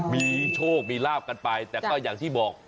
มีโชคมีลาบกันไปแต่ก็อย่างที่บอก